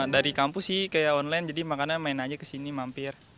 dari kampus sih kayak online jadi makanya main aja kesini mampir